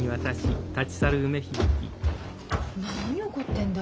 何怒ってんだ？